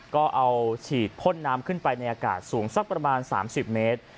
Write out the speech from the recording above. ก็เอาฉีดพ่นน้ำขึ้นไปในอากาศสูงสักประมาณ๓๐เมตร